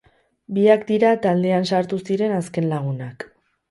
Biak dira taldean sartu ziren azken lagunak.